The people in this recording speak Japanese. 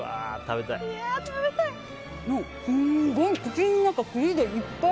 すんごい口の中栗でいっぱい！